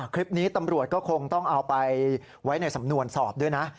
คลิปนี้ตำรวจก็คงต้องเอาไปไว้ในสำนวนสอบด้วยนะ